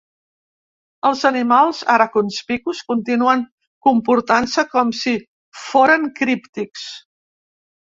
Els animals ara conspicus continuen comportant-se com si foren críptics.